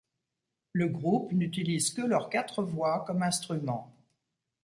Le groupe n'utilise que leurs quatre voix comme instrument.